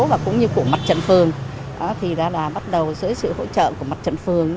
và cũng như của mặt trận phường thì bắt đầu dưới sự hỗ trợ của mặt trận phường